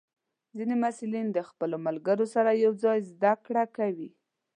ځینې محصلین د خپلو ملګرو سره یوځای زده کړه کوي.